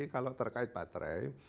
kalau terkait baterai